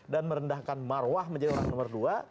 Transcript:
dan merendahkan marwah menjadi orang nomor dua